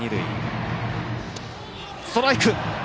ストライク！